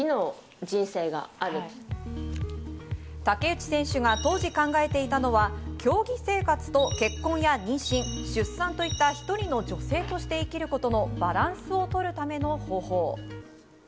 竹内選手が当時、考えていたのは競技生活と結婚や妊娠、出産といった一人の女性として生きることのバランスを取るための方法。